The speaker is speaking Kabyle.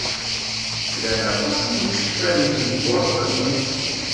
Llan aṭas n yifecka deg tebwaḍt-nni.